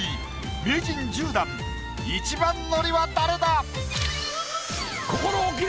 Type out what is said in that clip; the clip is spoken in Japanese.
名人１０段一番乗りは誰だ